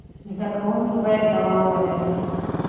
زده کوونکي باید دوام ولري.